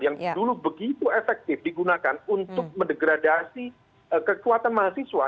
yang dulu begitu efektif digunakan untuk mendegradasi kekuatan mahasiswa